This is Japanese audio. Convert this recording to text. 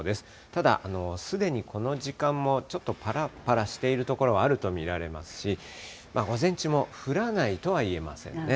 ただ、すでにこの時間もちょっとぱらぱらしている所はあると見られますし、午前中も降らないとは言えませんね。